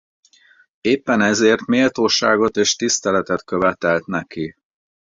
Éppen ezért méltóságot és tiszteletet követelt neki.